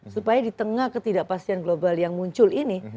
supaya di tengah ketidakpastian global yang muncul ini